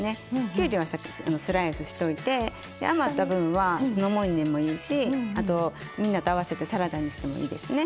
きゅうりは先スライスしといてで余った分は酢の物にでもいいしあとみんなと合わせてサラダにしてもいいですね。